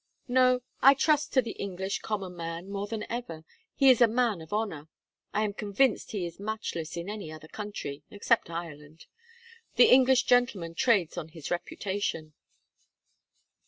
No, I trust to the English common man more than ever. He is a man of honour. I am convinced he is matchless in any other country, except Ireland. The English gentleman trades on his reputation.'